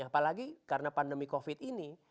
apalagi karena pandemi covid ini